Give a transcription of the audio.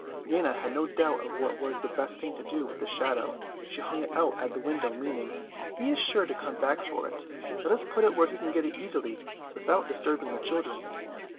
Nana had no doubt of what was the best thing to do with this shadow. She hung it out at the window, meaning "He is sure to come back for it; let us put it where he can get it easily without disturbing the children."